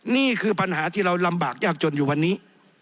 นี่คือปัญหาที่เราลำบากยากจนอยู่วันนี้